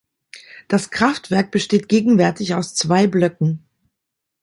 Das Kraftwerk besteht gegenwärtig aus zwei Blöcken.